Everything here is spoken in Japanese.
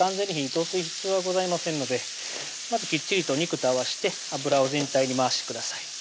通す必要はございませんのでまずきっちりと肉と合わして油を全体に回してください